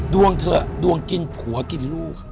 เถอะดวงกินผัวกินลูก